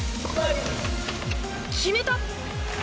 決めた！